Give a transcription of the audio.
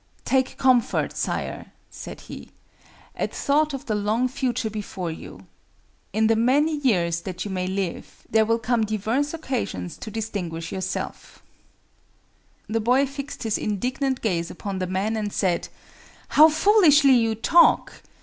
"Take comfort, Sire," said he, "at thought of the long future before you. In the many years that you may live, there will come divers occasions to distinguish yourself." The boy fixed his indignant gaze upon the man and said—"How foolishly you talk!